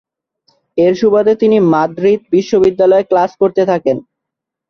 এর সুবাদে তিনি মাদ্রিদ বিশ্ববিদ্যালয়ে ক্লাস করতে থাকেন।